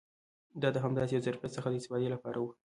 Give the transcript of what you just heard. دا د همداسې یو ظرفیت څخه د استفادې لپاره و.